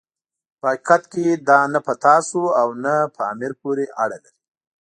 په حقیقت کې دا نه په تاسو او نه په امیر پورې اړه لري.